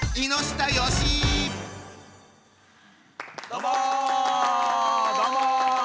どうも。